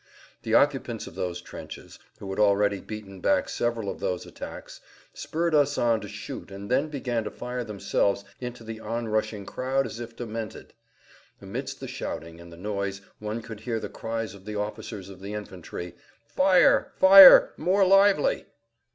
The occupants of those trenches, who had already beaten back several of those attacks, spurred us on to shoot and then began to fire themselves into the on rushing crowd as if demented. Amidst the shouting and the noise one could hear the cries of the officers of the infantry: "Fire! Fire! More lively!"